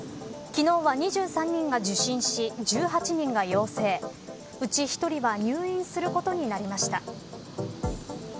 昨日は２３人が受診し１８人が陽性うち１人は入院することになりました。